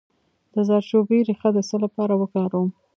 د زردچوبې ریښه د څه لپاره وکاروم؟